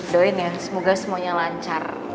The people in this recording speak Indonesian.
doin ya semoga semuanya lancar